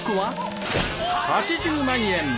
８０万円。